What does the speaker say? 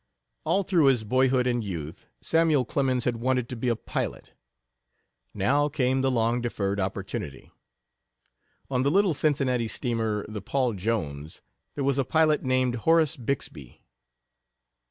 All through his boyhood and youth Samuel Clemens had wanted to be a pilot. Now came the long deferred opportunity. On the little Cincinnati steamer, the Paul Jones, there was a pilot named Horace Bixby.